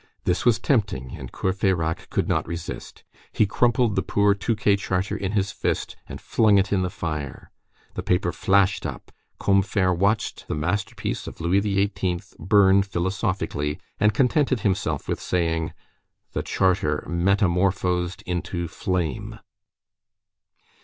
This was tempting, and Courfeyrac could not resist. He crumpled the poor Touquet Charter in his fist, and flung it in the fire. The paper flashed up. Combeferre watched the masterpiece of Louis XVIII. burn philosophically, and contented himself with saying:— "The charter metamorphosed into flame."